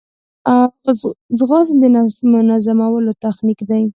ځغاسته د نفس منظمولو تخنیک دی